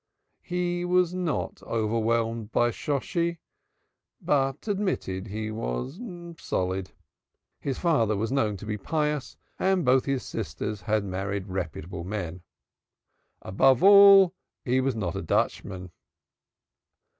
He was not overwhelmed by Shosshi, but admitted he was solid. His father was known to be pious, and both his sisters had married reputable men. Above all, he was not a Dutchman.